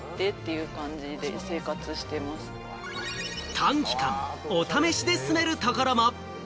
短期間、お試しで住めるところも。